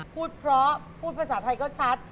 พูดเพราะพูดภาษาไทยก็ชัด